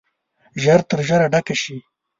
ژر تر ژره ډکه شي.